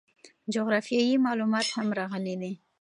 جغرافیوي معلومات هم راغلي دي.